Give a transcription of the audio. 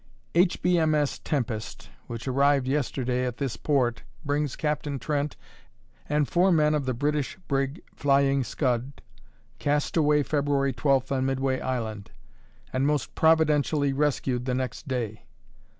"H.B.M.S. Tempest, which arrived yesterday at this port, brings Captain Trent and four men of the British brig Flying Scud, cast away February 12th on Midway Island, and most providentially rescued the next day.